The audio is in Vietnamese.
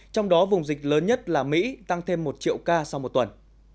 trong đó vùng dịch lớn nhất là mỹ tăng thêm một triệu ca sau một tuần